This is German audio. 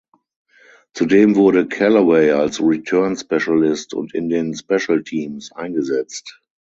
Zudem wurde Callaway als Return Specialist und in den Special Teams eingesetzt.